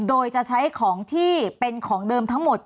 โดยจะใช้ของที่เป็นของเดิมทั้งหมด